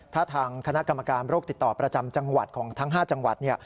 ถ้าทางคณะกรรมการโรคติดต่อประจำจังหวัดของทั้ง๕จังหวัด